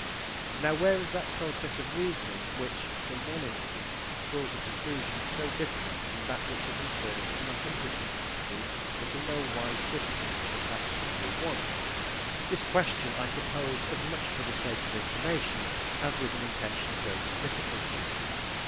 Now where is that process of reasoning which, from one instance, draws a conclusion, so different from that which it infers from a hundred instances that are nowise different from that single one? This question I propose as much for the sake of information, as with an intention of raising difficulties.